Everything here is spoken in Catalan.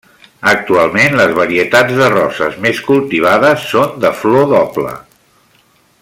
Actualment, les varietats de roses més cultivades són de flor doble.